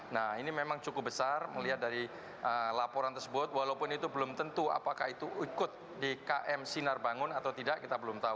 nah ini memang cukup besar melihat dari laporan tersebut walaupun itu belum tentu apakah itu ikut di km sinar bangun atau tidak kita belum tahu